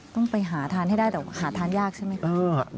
ต้องไปหาทานให้ได้แต่ว่าหาทานยากใช่ไหมคุณ